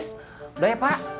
sudah ya pak